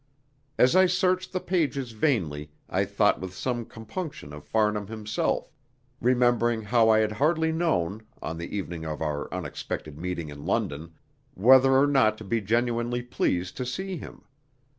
As I searched the pages vainly I thought with some compunction of Farnham himself, remembering how I had hardly known, on the evening of our unexpected meeting in London, whether or not to be genuinely pleased to see him.